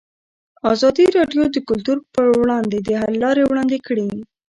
ازادي راډیو د کلتور پر وړاندې د حل لارې وړاندې کړي.